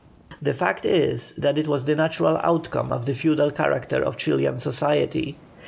The fact is that it was the natural outcome of the feudal character of Chilian society.